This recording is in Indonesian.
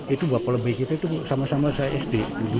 itu bapak lebih kita itu sama sama saya sd